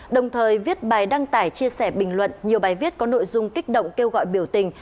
đồng thời viết bài đăng tải chia sẻ bình luận nhiều bài viết có nội dung kích động kêu gọi biểu tình